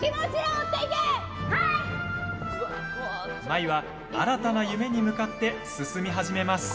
舞は、新たな夢に向かって進み始めます。